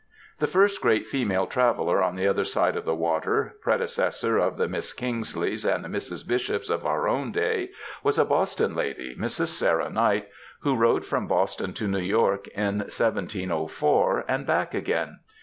AMERICAN WOMEN 245 The first great female traveller on the other side of the water, predecessor of the Miss Eingsleys and Mrs. Bishops of our own day, was a Boston lady, Mrs. Sarah Knight, who rode from Boston to New York, in 1704, and back again.